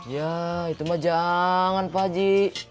ya itu mah jangan pak ji